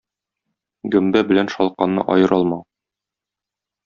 Гөмбә белән шалканны аера алмау.